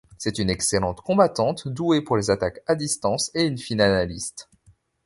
C'est une excellente combattante douée pour les attaques à distance et une fine analyste.